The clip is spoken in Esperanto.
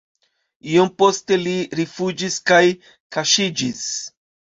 Iom poste li rifuĝis kaj kaŝiĝis.